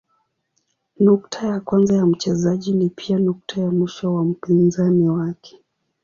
Nukta ya kwanza ya mchezaji ni pia nukta ya mwisho wa mpinzani wake.